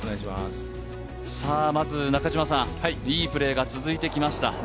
まず中嶋さん、いいプレーが続いてきました。